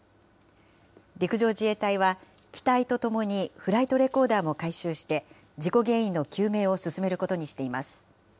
陸上自衛隊は、機体とともにフライトレコーダーも回収して、事故原因の究明を進めることにしています。